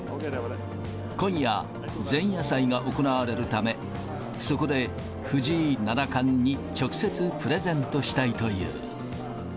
今夜、前夜祭が行われるため、そこで藤井七冠に直接プレゼントしたいという。